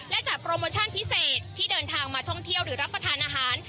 และจัดโปรโมชั่นพิเศษที่เดินทางมาท่องเที่ยวหรือรับประทานอาหาร